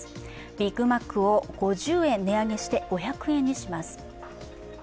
ビッグマックを５０円値上げして５００円にします。